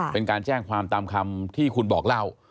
เป็นการแจ้งความตามคำที่คุณบอกเล่า